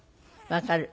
わかる。